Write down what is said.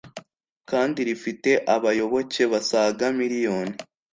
kandi rifite abayoboke basaga miriyoni